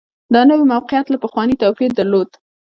دا نوي موقعیت له پخواني توپیر درلود